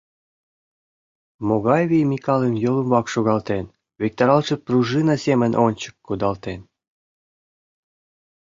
Могай вий Микалым йол ӱмбак шогалтен, виктаралтше пружина семын ончык кудалтен?..